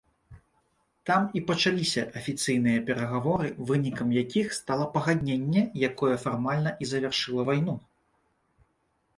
Там і пачаліся афіцыйныя перагаворы, вынікам якіх стала пагадненне, якое фармальна і завяршыла вайну.